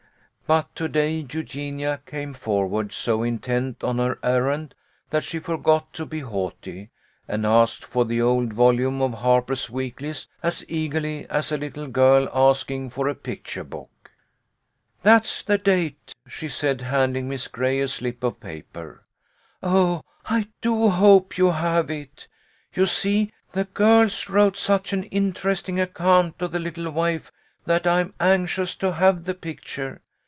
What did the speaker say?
But to day Eugenia came forward so intent on her errand that she forgot to be haughty, and asked for the old volume of Harper s Weeklies as eagerly as a little girl asking for a picture book. "That's the date," she said, handing Miss Gray a slip of paper. " Oh, I do hope you have it. You see the girls wrote such an interesting account of the little waif that I'm anxious to have the picture.